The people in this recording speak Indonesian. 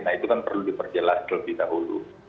nah itu kan perlu diperjelas lebih dahulu